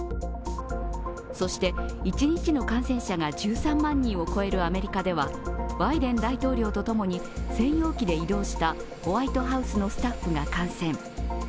そして、一日の感染者が１３万人を超えるアメリカではバイデン大統領とともに専用機で移動したホワイトハウスのスタッフが感染。